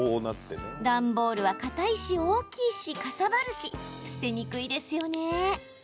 段ボールはかたいし、大きいしかさばるし、捨てにくいですよね。